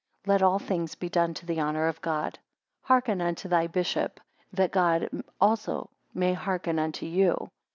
11 Let all things be done to the honour of God. 12 Hearken unto the bishop, that God also may hearken unto you.